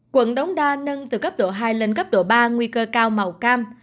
quận đống đa nâng từ cấp độ hai lên cấp độ ba nguy cơ cao màu cam